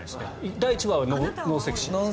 第１話はノンセクシー？